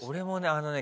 あのね